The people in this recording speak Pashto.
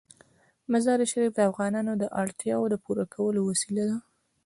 مزارشریف د افغانانو د اړتیاوو د پوره کولو وسیله ده.